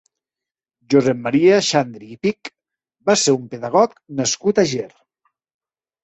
Josep Maria Xandri i Pich va ser un pedagog nascut a Ger.